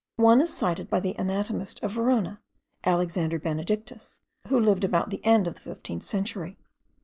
One is cited by the anatomist of Verona, Alexander Benedictus, who lived about the end of the fifteenth century.